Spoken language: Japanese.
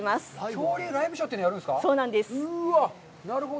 恐竜ライブショーというのをやるんですか。